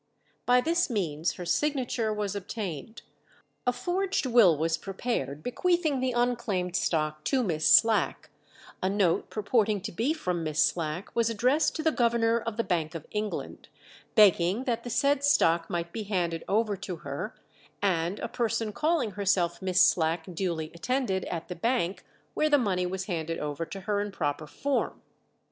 By this means her signature was obtained; a forged will was prepared bequeathing the unclaimed stock to Miss Slack; a note purporting to be from Miss Slack was addressed to the governor of the Bank of England, begging that the said stock might be handed over to her, and a person calling herself Miss Slack duly attended at the bank, where the money was handed over to her in proper form.